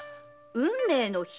運命の日？